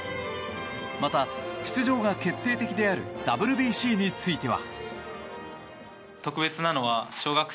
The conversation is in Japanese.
また、出場が決定的であるＷＢＣについては。